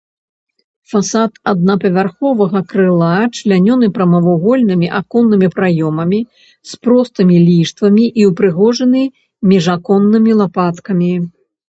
Фасад аднапавярховага крыла члянёны прамавугольнымі аконнымі праёмамі з простымі ліштвамі і ўпрыгожаны міжаконнымі лапаткамі.